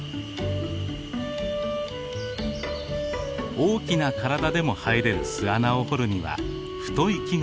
大きな体でも入れる巣穴を掘るには太い木が必要です。